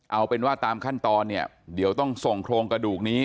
เอาเป็นว่าตามขั้นตอนเนี่ยเดี๋ยวต้องส่งโครงกระดูกนี้